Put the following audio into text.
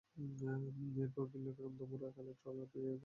এরপর বিল্লগ্রাম ধামুরা খালে ট্রলার ভিড়িয়ে গাছগুলো অন্যত্র নিয়ে যাওয়া হয়।